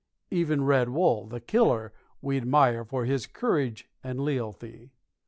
Even Red Wull, the killer, we admire for his courage and lealty.